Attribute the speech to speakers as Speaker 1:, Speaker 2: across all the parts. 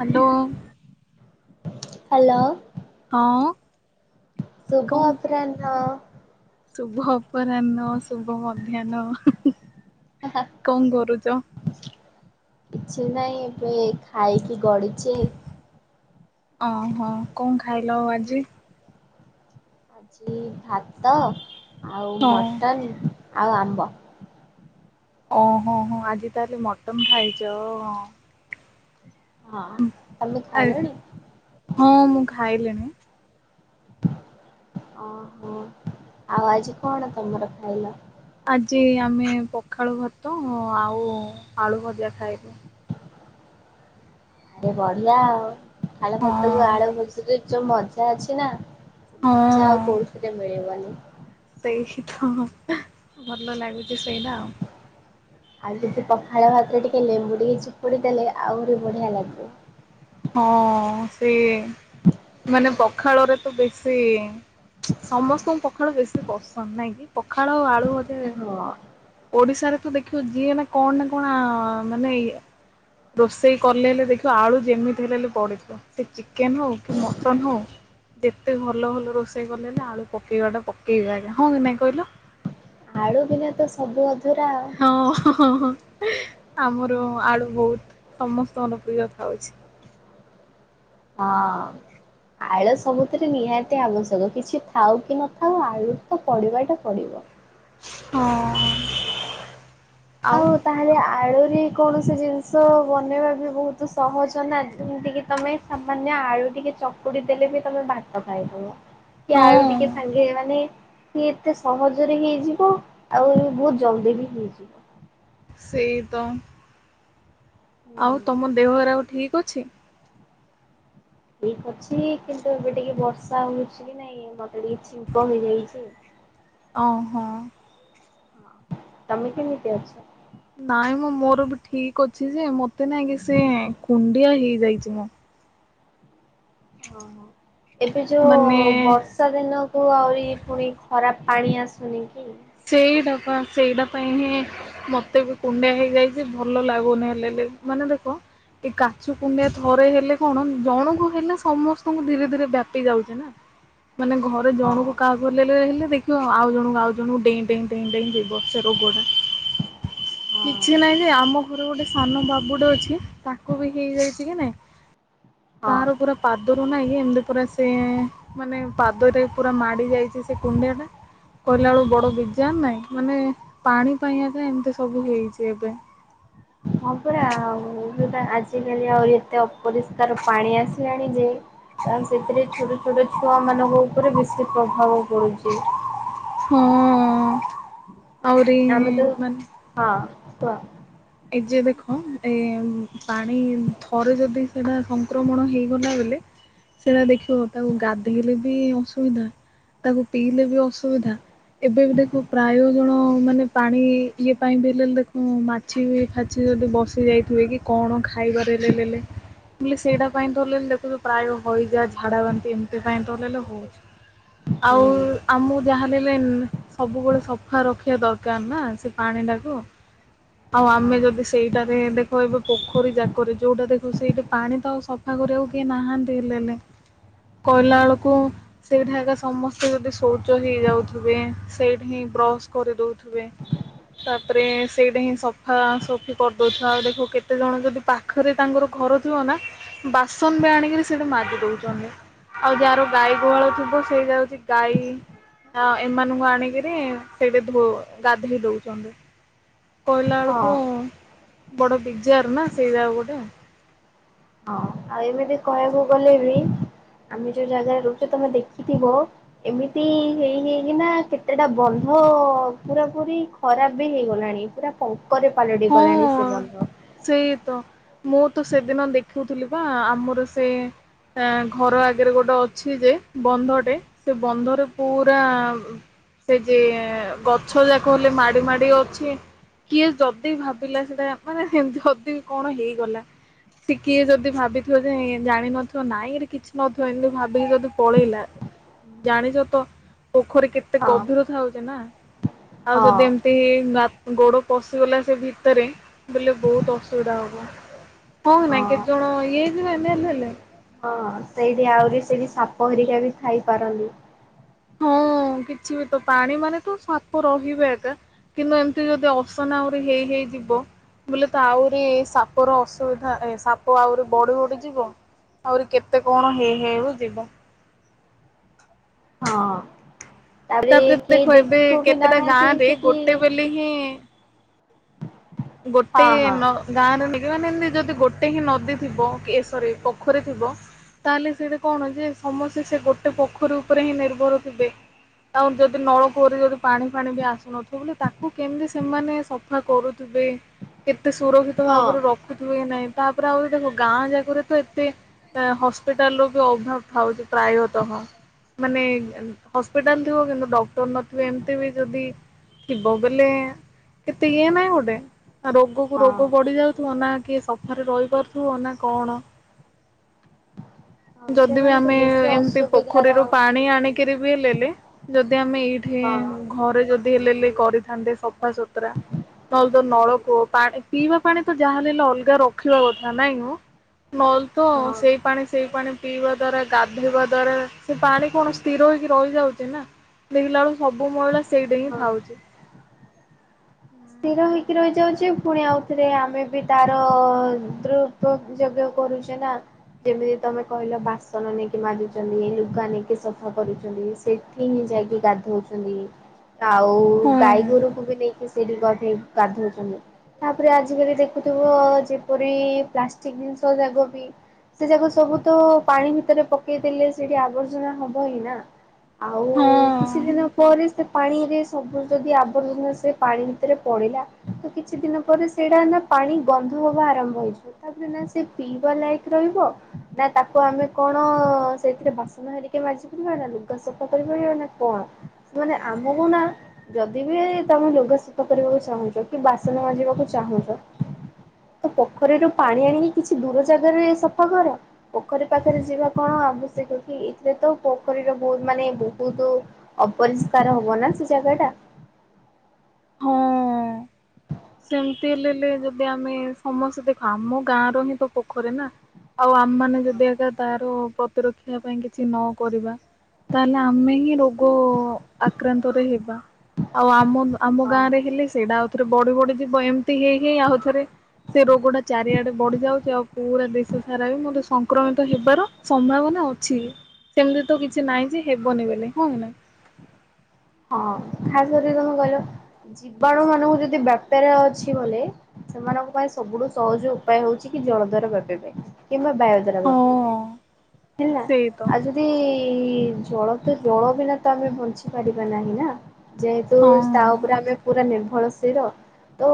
Speaker 1: Hello.
Speaker 2: Hello.
Speaker 1: ହଁ।
Speaker 2: ଶୁଭ
Speaker 1: କଣ
Speaker 2: ଅପରାହ୍ନ।
Speaker 1: ଶୁଭ ଅପରାହ୍ନ ଶୁଭ ମଧ୍ୟାହ୍ନ କଣ କରୁଚ?
Speaker 2: କିଛି ନାହିଁ ଏବେ ଖାଇକି ଗଡୁଚି।
Speaker 1: ଓହୋ କଣ ଖାଇଲ ଆଉ ଆଜି?
Speaker 2: ଆଜି ଭାତ ଆଉ
Speaker 1: ହଁ
Speaker 2: ମଟନ୍ ଆଉ ଆମ୍ବ।
Speaker 1: ଓହୋ ହୋ ଆଜି ତାହେଲେ ମଟନ୍ ଖାଇଚ ଅଁ।
Speaker 2: ହଁ ତମେ ଖାଇଲଣି?
Speaker 1: ହଁ ମୁଁ ଖାଇଲିଣି।
Speaker 2: ଓହୋ ଆଉ ଆଜି କଣ ତମର ଖାଇଲ?
Speaker 1: ଆଜି ଆମେ ପଖାଳ ଭାତ ଆଉ ଆଳୁ ଭଜା ଖାଇବୁ।
Speaker 2: ଆରେ ବଢିଆ ଆଉ ପଖାଳ ଭାତକୁ
Speaker 1: ହଁ
Speaker 2: ଆଳୁ ଭଯା ରେ ଯୋଉ ମଜା ଅଛି ନା
Speaker 1: ହଁ
Speaker 2: ମଜା ଆଉ କୋଉଥିରେ ମିଳିବନି।
Speaker 1: ସେଇ ତ ଭଲ ଲାଗୁଚି ସେଇଟା ଆଉ।
Speaker 2: ଆଉ ଯଦି ପଖାଳ ଭାତ ଟିକେ ଲେମ୍ବୁ ଟିକେ ଚିପୁଡି ଦେଲେ ଆହୁରି ବଢିଆ ଲାଗେ।
Speaker 1: ହଁ ସିଏ ମାନେ ପଖାଳରେ ତ ବେଶୀ ସମସ୍ତଙ୍କୁ ପଖାଳ ବେଶୀ ପସନ୍ଦ ନାଇଁ କି ପଖାଳ ଆଉ ଆଳୁ
Speaker 2: ହଁ
Speaker 1: ଓଡିଶାରେ ତ ଦେଖିବ ଯିଏ ନା କଣ ନା କଣ ମାନେ ଇ ରୋଷେଇ କଲେ ହେଲେ ଦେଖିବ ଆଳୁ ଯେମିତି ହେଲେ ପଡିଥିବ ସେ ଚିକେନ ହଉ କି ମଟନ ହଉ ଯେତେ ଭଲ ଭଲ ରୋଷେଇ କଲେ ହେଲେ ଆଳୁ ପକେଇବାଟା ପକେଇବି ଆଜ୍ଞା ହଁ କି ନାଇଁ କହିଲ
Speaker 2: ଆଳୁ ବିନା ତ ସବୁ ଅଧୁରା ଆଉ
Speaker 1: ହଁ ଆମର ଆଳୁ ବହୁତ ସମସ୍ତଙ୍କ ପ୍ରିୟ ଥାଉଛି
Speaker 2: ହଁ ଆଳୁ ସବୁଥିରେ ନିହାତି ଆବଶ୍ୟକ କିଛି ଥାଉ କି ନଥାଉ ଆଳୁ ତ ପଡ଼ିବାଟା ପଡ଼ିବ
Speaker 1: ହଁ
Speaker 2: ଆଉ ତାହେଲେ ଆଳୁରେ କୌଣସି ଜିନିଷ ବନେଇବା ବି ବହୁତ ସହଜ ନା ଯେମିତିକି ତୁମେ ସାମାନ୍ୟ ଆଳୁ ଟିକେ ଚକୁଡି ଦେଲେ ବି ତମେ ଭାତ ଖାଇଦବ
Speaker 1: ହଁ [inaudible]
Speaker 2: କି ଆଳୁ ଟିକେ ସାଙ୍ଗେ ମାନେ କି ଏତେ ସହଜରେ ହେଇଯିବ ଆଉ ବହୁତ ଜଲଦି ବି ହେଇଯିବ
Speaker 1: ସେଇ ତ
Speaker 2: ହୁଁ
Speaker 1: ଆଉ ତମ ଦେହରେ ଆଉ ଠିକ ଅଛି
Speaker 2: ଠିକ ଅଛି କିନ୍ତୁ ଏବେ ଟିକେ ବର୍ଷା ହଉଛି କି ନାଇଁ ମତେ ଟିକେ ଛିଙ୍କ ହେଇଯାଇଛି।
Speaker 1: ଓ ହୋ
Speaker 2: ତମେ କେମିତି ଅଛ?
Speaker 1: ନାଇଁ ମୁଁ ମୋର ବି ଠିକ ଅଛି ଯେ ମତେ ନାଇକି ସେ କୁଣ୍ଡିଆ ହେଇଯାଇଛି ମ।
Speaker 2: ଓହ ଏବେ ଯୋଉ
Speaker 1: ମାନେ
Speaker 2: ବର୍ଷା ବର୍ଷା ଦିନକୁ ଆହୁରି ପୁଣି ଖରାପ ପାଣି ଆସୁନି କି
Speaker 1: ସେଇଟା ପା ସେଇଟା ପାଇଁ ହିଁ ମତେ ବି କୁଣ୍ଡେଇ ହେଇଯାଇଛି ଭଲ ଲାଗୁନି ହେଲେ ହେଲେ ମାନେ ଦେଖ ଏଇ କାଛୁ କୁଣ୍ଡିଆ ଥରେ ହେଲେ କଣ ଜଣଙ୍କୁ ହେଲେ ସମସ୍ତଙ୍କୁ ଧୀରେ ଧୀରେ ବ୍ୟାପି ଯାଉଛେ ନା ମାନେ ଘରେ
Speaker 2: ହଁ
Speaker 1: ଜଣକୁ କାହାକୁ ହେଲେ ଲେ ହେଲେ ଦେଖିବ ଆଉ ଜଣଙ୍କୁ ଆଉ ଜଣଙ୍କୁ ଡେଇଁ ଡେଇଁ ଡେଇଁ ଡେଇଁ ସେ ରୋଗଟା
Speaker 2: ହଁ।
Speaker 1: କିଛି ନାଇଁ ଯେ ଆମ ଘର ଗୋଟେ ସାନ ବାବୁଟେ ଅଛି ତାକୁ ବି ହେଇଯାଇଛି କି ନାଇଁ
Speaker 2: ହଁ
Speaker 1: ତାର ପୁରା ପାଦରୁ ନାଇଁ କି ଏମିତି ପୁରା ସେ ମାନେ ପାଦରେ ପୁରା ମାଡି ଯାଇଛି ସେ କୁଣ୍ଡିଆ ଟା କହିଲା ବେଳୁ ବଡ ବିଜାର ନାଇଁ ମାନେ ପାଣି ପାଇଁ ଆଗ ଏମିତି ସବୁ ହେଇଛି ଏବେ
Speaker 2: ହଁ ପରା ଆଉ ଆଜିକାଲି ଆହୁରି ଏତେ ଅପରିଷ୍କାର ପାଣି ଆସିଲାଣି ଯେ ତ ସେଥିରେ ଛୋଟ ଛୋଟ ଛୁଆ ମାନଙ୍କ ଉପରେ ବେଶୀ ପ୍ରଭାବ ପଡୁଛି।
Speaker 1: ହଁ ଆହୁରିି
Speaker 2: ଆମେ ତ
Speaker 1: ମାନେ
Speaker 2: ହଁ କୁହ।
Speaker 1: ଏଇ ଯେ ଦେଖ ଏ ପାଣି ଥରେ ଯଦି ସେଇଟା ସଂକ୍ରମଣ ହେଇଗଲା ବୋଇଲେ ସେଟା ଦେଖିବ ତାକୁ ଗାଧେଇଲେ ବି ଅସୁବିଧା ତାକୁ ପିଇଲେ ବି ଅସୁବିଧା। ଏବେବି ଦେଖିବୁ ପ୍ରାୟ ଜଣ ମାନେ ପାଣି ଇଏ ପାଇଁ ବି ହେଲେ ଦେଖିବୁ ମା- ମାଛି ବି ଫାଛି ଯଦି ବସି ଯାଇଥିବେ କି କଣ ଖାଇବାରେ ଲେ ଲେ ଲେଲେ। ମୁ କହିଲି ସେଇଟା ପାଇଁ ହେଲେ ଲେ ଦେଖୁଛୁ ପ୍ରାୟ ହଇଜା ଝାଡ଼ା ବାନ୍ତି ଏମିତି ପାଇଁ ତ ହେଲେ ଲେଲେ ହଉଛି। ଆଉ
Speaker 2: ହୁଁ।
Speaker 1: ଆମକୁ ଯାହା ଦେଲେ ନ- ସବୁବେଳେ ସଫା ରଖିବା ଦରକାର ନା ସେ ପାଣି ଟାକୁ। ଆଉ
Speaker 2: ହଁ
Speaker 1: ଆମେ ଯଦି ସେଇଟାରେ ଦେଖ ଏବେ ପୋଖରୀ ଯାକରେ ଯୋଉଟା ଦେଖିବୁ ସେଇଟା ପାଣି ତ ସ- ଖା କରିବାକୁ କିଏ ନାହାନ୍ତି ହେଲେ ଲେ କହିଲା ବେଳକୁ- ସେଇଠା ଆଗ ଏକା ସମସ୍ତେ ଯଦି ଶୌଚ ହେଇଯାଉଥିବେ ସେଇଠି ହିଁ ବ୍ରଶ କରିଦଉଥିବେ। ତାପରେ ସେଇଟା ହିଁ- ସଫା ସଫି କରିଦେଉଥିବ ଆଉ ଦେଖିବ କେତେଜଣ ଯଦି ପାଖରେ ତାଙ୍କର ଘର ଥିବ ନା- ବାସନ ବି ଆଣିକିରି ସେଠି ମାଜିି ଦଉଛନ୍ତି। ଆଉ ଯାହାର ଗାଈ ଗୁହାଳ ଥିବ ସେଇଟା ହଉଛି ଗାଈ- ଆ ଏମାନଙ୍କୁ ଆଣିକରି ସେଇଠି ଧୋ ଗାଧେଇ ଦଉଛନ୍ତି। କୋହିଲା
Speaker 2: ହଁ
Speaker 1: ବେଳକୁ ବଡ ପିଜାର ନା ସେଇଟା ଗୋଟେ।
Speaker 2: ହଁ ଆଉ ଏମିତି କହିବାକୁ ଗଲେ ବି ଆମେ ଯୋଉ ଜାଗାରେ ରହୁଛୁ ତମେ ଦେଖିଥିବ- ଏମିତି ହେଇ ହେଇକିନା କେତେଟା ବନ୍ଧ ପୁରା ପୁରି- ଖରାପ ବି ହେଇଗଲାଣି ପୁରା ପଙ୍କରେ ପାଲଟି
Speaker 1: ହଁ
Speaker 2: ଗଲାଣି ସେ ବନ୍ଧ।
Speaker 1: ସେଇ ତ ମୁଁ ତ ସେଦିନ ଦେଖୁଉଥିଲି ବା ଆମର ସେ- ଏ ଘର ଆଗରେ ଗୋଟେ ଅଛି ଯେ ବନ୍ଧଟେ- ସେ ବନ୍ଧରେ ପୁରା- ସେ ଯେ ଗଛ ଯାକ ହେଲେ ମାଡି ମାଡି ଅଛି କିଏ ଜ ଯଦି ଭାବିଲା ସେଟା ମାନେ ସେମିତି ଯଦି କଣ ହେଇଗଲା! ଟିକିଏ ଯଦି ଭାବିଥିବ ଯେ ଜାଣିିନଥିବ ନାଇଁ କିଛି ନଥିବ ଏମତି ଭାବିକି ଯଦି ପଳେଇଲା- ଜାଣିଛ ତ ପୋଖରୀ କେତେ
Speaker 2: ହଁ
Speaker 1: ଗଭୀର ଥାଉଛି ନା! ଆଉ
Speaker 2: ହଁ
Speaker 1: ଯଦି ଏମିତି ଗୋଡ ପଶିଗଲା- ସେ ଭିତରେ ବୋଲେ ବହୁତ ଅସୁବିଧା ହବ। ହଁ ନା କେତେ ଜଣ ଇଏ ହେଇଯିବେ ନେଲ ହେଲେ!
Speaker 2: ହଁ ସେଇଠି ଆହୁରି ସେଇଠି ସାପ ହେରିକା ବି ଥାଇ ପାରନ୍ତି।
Speaker 1: ହଁ କିଛି ବି ତ ପାଣି ମାନେ ତୁ ସାପ ରହିବେ ଏଟା। କିନ୍ତୁ ଏମିତି ଯଦି ଅସନା ଆହୁରି ହେଇ ହେଇଯିବ- ବୋଲେ ତ ଆହୁରି ସାପ ର ଅସୁବିଧା ଏ ସାପ ଆହୁରି ବଢି ବଢିଯିବ। ଆହୁରି କେତେ କଣ ହେଇ ହେଉ ଯିବ।
Speaker 2: ହଁ!
Speaker 1: ତାପରେ
Speaker 2: କେହି
Speaker 1: ଦେଖ ଏବେ
Speaker 2: ଦେଖୁ ବି
Speaker 1: କେତେଟା ଗାଁ
Speaker 2: ନାହାନ୍ତି
Speaker 1: ରେ
Speaker 2: ସେଠି
Speaker 1: ଗୋଟେ ବୋଲି ହିଁ- ଗୋଟେ
Speaker 2: ହଁ ହଁ
Speaker 1: ନ- ଗାଁ ରେ ମାନେ ଏମିତି ଯଦି ଗୋଟେ ହିଁ ନଦୀ ଥିବ ଏସରି ପୋଖରୀ ଥିବ। ତାହେଲେ ସେଇଟା କଣ ଯେ ସମସ୍ତେ ସେ ଗୋଟେ ପୋଖରୀ ଉପରେ ହିଁ ନିର୍ଭର ଥିବେ। ଆଉ ଯଦି ନଳକୂଅରେ ଯଦି ପାଣି ଫାଣି ବି ଆସୁନଥିବ ବୋ ତାକୁ କେମିତି ସେମାନେ ସଫା କରୁ- କେତେ ସୁରକ୍ଷିତ
Speaker 2: ହଁ
Speaker 1: ଭାବରେ ରଖ- ଏ ନାଇଁ ତାପରେ ଆହୁରି ଦେଖ ଗାଁ ଯାକରେ ତ ଏତେ- ହସ୍ପିଟାଲ ର ବି ଅଭାବ ଉଠାଉଛି ପ୍ରାୟତଃ। ମାନେ ହସ୍ପିଟାଲ ଥିବ କିନ୍ତୁ ଡକ୍ଟର ନଥିବ ଏମିତି ବି ଯଦି- ଥିବ ବେଲେ କେତେ ଇଏ ନାଇଁ ଗୋଟେ! ରୋଗ କୁ
Speaker 2: ହଁ
Speaker 1: ରୋଗ ବଢି ଯାଉଥିବ ନା କିଏ ସଫାରେ ରହିପାରୁଥିବ ନା କଣ!
Speaker 2: ହଁ
Speaker 1: ଯଦି ବି
Speaker 2: ସେମାନେ ତ
Speaker 1: ଆମେ
Speaker 2: ବେଶୀ
Speaker 1: ଏମିତି
Speaker 2: ଅସୁବିଧାର
Speaker 1: ପୋଖରୀରୁ ପାଣି ଆଣିକିରି ବି ନେଲେ- ଯଦି ଆମେ ଏଇଠି
Speaker 2: ହଁ
Speaker 1: ଘରେ ଯଦି ହେଲେଲେ କରିଥାନ୍ତେ ସବ ସଫାସତୁରା ହଉଦ ତ ନଳକୂଅ ପାଣି ପିଇବା ପାଣି ତ ଯାହାହଲେ ହେଲେ ଅଲଗା ର- ରଖିବା କଥା ନାଇଁ ମ ନହେଲେ ତ
Speaker 2: ହଁ
Speaker 1: ସେଇ ପାଣି ସେଇ ପାଣି- ପିଇବା ଦ୍ଵାରା ଗାଧୋଇ ଦ୍ଵାରା ସେ ପାଣି କଣ ସ୍ଥିର ହେଇକି ରହିଯାଉଛି ନା। ଦେଖିଲା ବେଳକୁ ସବୁ ମହିଳା ସେଇଟା ହିଁ
Speaker 2: ହଁ
Speaker 1: ଥାଉଛି।
Speaker 2: ସ୍ଥିର ହେଇକି ରହିଯାଉଛି ପୁଣି ଆଉଥରେ ଆମେ ବି ତାର ଦୃ ତତ୍ ଜଗ୍ୟ କରୁଛେ ନା। ଯେମ୍ତି ତମେ କହିଲ ବାସନ ନେଇକି ମାଜୁଚନ୍ତି ଲୁଗା ନେଇକି ସଫା କରୁଚନ୍ତି ସେଠି ହିଁ ଯାଇକି ଗାଧଉଛନ୍ତି ଆଉ
Speaker 1: ହଁ
Speaker 2: ଗାଈ ଗୋରୁଙ୍କୁ ବି ନେଇକି ସେଇଠି ଗଧେଇ ଗାଧଉଛନ୍ତି। ତାପରେ ଆଜିକାଲି ଦେଖୁଥିବ ଯେପରି ପ୍ଲାଷ୍ଟିକି ଜିନିଷ ଯାଗ ବି ସେ ଯାକ ସବୁ ତ ପାଣି ଭିତରେ ପକେଇଦେଲେ ସେଇଠି ଆବର୍ଜନା ହବ ହିଁ ନା। ଆଉ କିଛି
Speaker 1: ହଁ।
Speaker 2: ଦିନ ପରେ ସେ ପାଣିରେ ସବୁ ଯଦି ଆବର୍ଜନା ସେ ପାଣି ଭିତରେ ପଡିଲା ତ କିଛି ଦିନ ପରେ ସେଇଟା [unintelligible] ନା ପାଣି ଗନ୍ଧ ହବା ଆରମ୍ଭ ହେଇଯା ତାପରେ ନା ସେ ପିଇବା ଲାୟିକ ରହିବ ନା ତାକୁ ଆମେ କଣ ସେଇଥିରେ ବାସନ ହେରିକେ ମାଜି ପାରିବା ନା ଲୁଗା ସଫା କରିପାରିବା ନା କଣ। ମାନେ ଆମକୁ ନା ଯଦି ବି ତମେ ଲୁ ଗା ସଫା କରିବାକୁ ଚାହୁଁଚ କି ବାସନ ମାଜିବାକୁ ଚାହୁଁଚ ତ ପୋଖରୀରୁ ପାଣି ଆଣିକି କିଛି ଦୂର ଜାଗାରେ ସଫା କର। ପୋଖରୀ ପାଖରେ ଯିବା କଣ ଆବଶ୍ୟକ କି ଏଇଥିରେ ତ ପୋଖରୀରେ ବହୁତ୍ ମାନେ ବହୁତ୍ ଅପରିଷ୍କାର ହବ ନା ସେ ଜାଗା ଟା।
Speaker 1: ହଁ। ଏମ୍ତି ହେଲେଲେ ଯଦି ଆମେ ସମସ୍ତେ ଦେଖ ଆମ ଗାଁ ର ହିଁ ତ ପୋଖରୀ ନା ଆଉ ଆମେମାନେ ଯଦି ଆକା ତାର ପ୍ରତିରକ୍ଷା ପାଇଁ କିଛି ନକରିବା ତାହେଲେ ଆମେ ହିଁ ରୋଗ ଆକ୍ରାନ୍ତରେ ହେବା ଆଉ ଆମ ଆମ
Speaker 2: ହଁ
Speaker 1: ଗାଁ ରେ ହେଲେ ସେଇଟା ଆଉଥରେ ବଡି-ବଡି ଯିବ ଏମ୍ତି ହେଇ-ହେଇ ଆଉ ଥରେ ସେ ରୋଗ ଟା ଚାରିଆଡେ ବଢି ଯାଉଚି ଆଉ ପୁରା ଦେଶ ସାରା ବି ମତେ ସଂକ୍ରମିତ ହେବାର ସମ୍ଭାବନା ଅଛି ସେମ୍ତି ତ କିଛି ନାହିଁ ଯେ ହେବନି ବୋଲେ ହଉ।
Speaker 2: ହଁ ଖାସ୍ କରିକି ତମେ କହିଲ ଜୀବାଣୁ ମାନଙ୍କୁ ଯଦି [unintelligible] ଅଛି ବୋଲେ ସେମାନଙ୍କ ପାଇଁ ସବୁଠୁ ସହଜ ଉପାୟ ହଉଚି କି ଜଳ ଦ୍ଵାର ବ୍ୟାପିବା ପାଇଁ କିମ୍ବା ବାୟ
Speaker 1: ହଁ
Speaker 2: [unintelligible] ହେଲା।
Speaker 1: ସେଇ ତ
Speaker 2: ତି ଜଳ ତ ଜଳ ବିନା ତ ଆମେ ବଞ୍ଚି ପାରିବା ନାହିଁ ନା। ଯେହେତୁ ତା
Speaker 1: ହଁ।
Speaker 2: ଉପରେ ଆମେ ପୁରା ନିର୍ଭରଶୀର ତ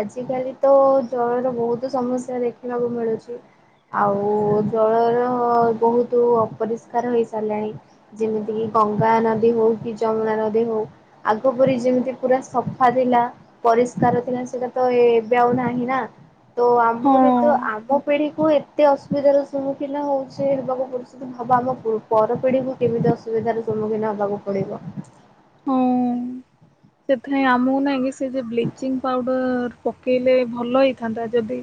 Speaker 2: ଆଜିକାଲି ତ ଜଳର ବହୁତ୍ ସମସ୍ୟା ଦେଖିବାକୁ ମିଳୁଚି। ଆଉ ଜଳର ବହୁତୁ ଅପରିଷ୍କାର ହେଇସାରିଲାଣି। ଯେମିତି କିି ଗଙ୍ଗା ନଦୀ ହଉ କି ଯମୁନା ନଦୀ ହଉ। ଆଗ ପରି ଯେମିତି ପୁରା ସଫା ଥିଲା ପରିଷ୍କାର ଥିଲା ସେଟା ତ ଏବେ ଆଉ ନାହିଁ ନା। ତ
Speaker 1: ହଁ
Speaker 2: ଆମର ତ ଆମ ପିଢିକୁ ଏ ଏତେ ଅସୁବିଧାର ସମ୍ମୁଖୀନ ହଉଚି ହେବାକୁ ପଡ଼ୁଚି ତ ଭାବ ଆମ ପୁ ପର ପିଢିକୁ କେମିତି ଅ ସୁବିଧାର ସମ୍ମୁଖୀନ ହବାକୁ ପଡ଼ିବ।
Speaker 1: ହଁ। ସେଥିପାଇଁ ଆମକୁ ନାଇଁକି ସେ ଯେ ବ୍ଲିଚିଂ ପାଉଡର ପକେଇଲେ ଭଲ ହେଇଥାନ୍ତା ଯଦି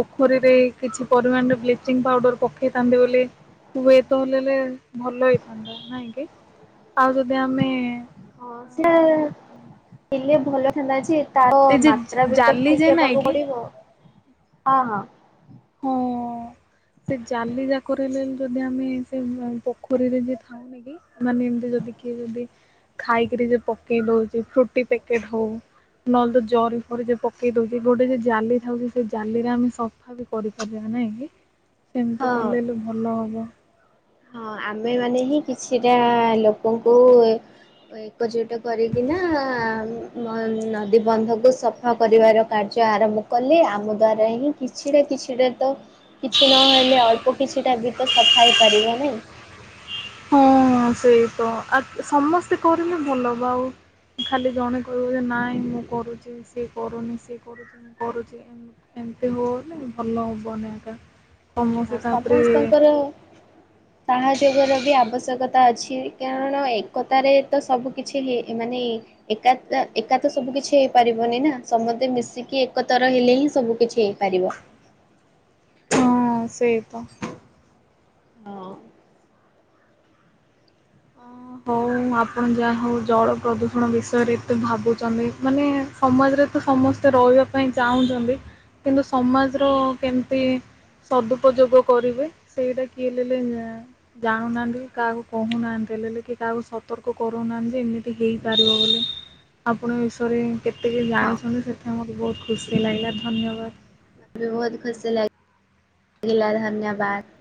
Speaker 1: ପୋଖରୀରେ କିଛି ପରିମାଣରେ ବ୍ଲିଚିଂ ପାଉଡର ପକେଇଥାନ୍ତି ବୋଲି ହୁଏତ ହେଲେଲେ ଭଲ ହେଇଥାନ୍ତା। ନାଇଁ କି ଆଉ ଯଦି ଆମେ
Speaker 2: ହଁ ସେ ହେଲେ ଭଲ ହେଇଥାନ୍ତା ଯେ ତାର
Speaker 1: ଏଇ ଯେ
Speaker 2: ମାତ୍ରା ବି ତ
Speaker 1: ଜାଲି ଯେ
Speaker 2: ଠିକ୍
Speaker 1: ନାଇଁ
Speaker 2: ହେବାକୁ
Speaker 1: କି
Speaker 2: ପଡିବ, ହଁ-ହଁ।
Speaker 1: ହଁ। ସେ ଜାଲି ଯାକର ହେଲେ ଯଦି ଆମେ ସେ ପୋଖରୀରେ ଯିଏ ଥାଆ ମାନେ ଏମ୍ତି ଯଦି କିଏ ଯଦି ଖାଇକିରି ଯଉ ପକେଇ ଦଉଚେ ଫ୍ରୁଟି ପ୍ୟାକେଟ ହଉ। ନହେଲେ ତ ଜରି ଫରି ଯଉ ପକେଇ ଦଉଛି ଗୋଟେ ଯଦି ଜାଲି ଥାଉଛି ସେ ଜାଲିରେ ଆମେ ସ ଫା ବି କରିପାରିବା ନାଇଁ କି ସେମିତି
Speaker 2: ହଁ।
Speaker 1: କଲେଲେ ଭଲ ହବ।
Speaker 2: ହଁ ଆମେ ମାନେ ହିଁ କିଛିଟା ଲୋକଙ୍କୁ ଏ ଏକଜୁଟ କରିକିନା ନଦୀ ବନ୍ଧ କୁ ସଫା କରିବାର କାର୍ଯ୍ୟ ଆରମ୍ଭ କଲି ଆମ ଦ୍ଵାରା ହିଁ କିଛିଟା କିଛିଟା ତ କିଛି ନହେଲେ ଅଳ୍ପ କିଛିଟା ବିତ ସଫା ହେଇପାରିବ ନାଇଁ।
Speaker 1: ହଁ ସେଇ ତ ଆ ସମସ୍ତେ କରିଲେ ଭଲ ହବ ଆଉ ଖାଲି ଜଣେ କହିବ ଯେ ନାଇଁ ମୁଁ କରୁଛି ସିଏ କରୁନି ସିଏ କରୁଛି ମୁଁ କରୁଛି। ଏମିତି ହୋଉଲେ ଭଲ ହବନି ଏକା।
Speaker 2: ହଁ
Speaker 1: ସମସ୍ତେ ତାପରେ
Speaker 2: ସମସ୍ତଙ୍କର ସାହାଯ୍ୟ କରିବା ବି ଆବଶ୍ୟକତା ଅଛି। କାରଣ ଏକତାରେ ତ ସବୁ କିିଛି ଲି ଇ ମାନେ ଏକାତ୍ ଏକା ତ ସବୁ କିଛି ହେଇପାରିବନି ନା ସମସ୍ତେ ମିଶିକି ଏକତର ହେଲେ ରହିଲେ ହି ସବୁ କିଛି ହେଇପାରିବ।
Speaker 1: ହଁ ସେଇ ତ।
Speaker 2: ହଁ।
Speaker 1: ଆଉ ଆପଣ ଯାହା ହେଉ ଜଳ ପ୍ରଦୂଷଣ ବିଷୟରେ ଏତେ ଭାବୁଛନ୍ତି ମାନେ ସମାଜରେ ତ ସମସ୍ତେ ରହିବା ପାଇଁ ଚାହୁଁଛନ୍ତି କିନ୍ତୁ ସମାଜର କେମିତି ସଦୁପଯୋଗ କରିବେ ସେଇଟା କିଏଲେଲେ ଜାଉଁନାହାନ୍ତି କାହାକୁ କହୁନାହାନ୍ତି ହେଲେ ଲେ କିଏ ତାହାକୁ ସତର୍କ କରୁନାହାନ୍ତି ଯେ ଏମିତି ହେଇପାରିବ ବୋଲି। ଆପଣ ବିଷୟରେ କେତେକ
Speaker 2: ହଁ।
Speaker 1: ଜାଣିଛନ୍ତି ସେଥିପାଇଁ ମୋତ ବହୁତ ଖୁସି ଲାଗିଲା ଧନ୍ୟବାଦ।
Speaker 2: ବି ବହୁତ ଖୁସି ଲାଗିଲା ଧନ୍ୟବାଦ।